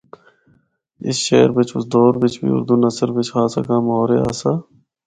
اس شہر بچ اُس دور بچ بھی اُردو نثر بچ خاصا کم ہو رہیا آسا۔